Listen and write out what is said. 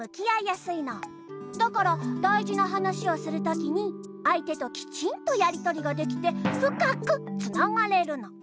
だからだいじな話をするときにあい手ときちんとやりとりができてふかくつながれるの。